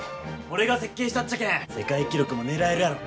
俺が設計したっちゃけん世界記録も狙えるやろ。